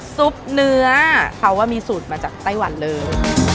ซุปเนื้อเขามีสูตรมาจากไต้หวันเลย